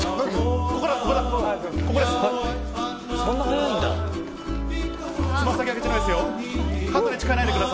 そんな早いんだ。